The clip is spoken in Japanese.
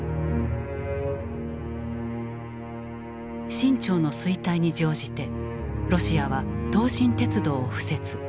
清朝の衰退に乗じてロシアは東清鉄道を敷設。